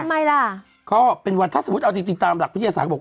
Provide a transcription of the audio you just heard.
ทำไมล่ะก็เป็นวันถ้าสมมุติเอาจริงจริงตามหลักวิทยาศาสตร์บอก